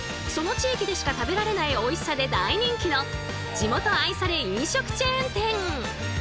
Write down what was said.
その地域でしか食べられないおいしさで大人気の「地元愛され飲食チェーン店」！